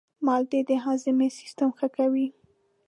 مالټې د هاضمې سیستم ښه کوي.